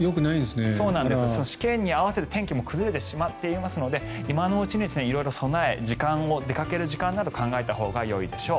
試験に合わせて天気も崩れてしまっていますので今のうちに色々備え出かける時間など考えたほうがいいでしょう。